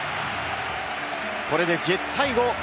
これで１０対５。